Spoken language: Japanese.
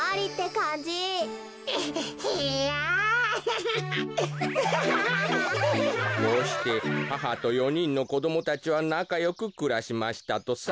「こうしてははと４にんのこどもたちはなかよくくらしましたとさ。